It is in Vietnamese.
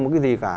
một cái gì cả